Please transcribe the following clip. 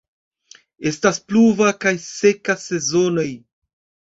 Estas pluva kaj seka sezonoj.